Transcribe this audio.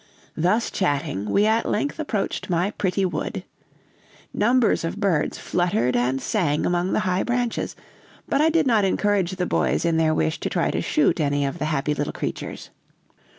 "Thus chatting, we at length approached my pretty wood. Numbers of birds fluttered and sang among the high branches, but I did not encourage the boys in their wish to try to shoot any of the happy little creatures.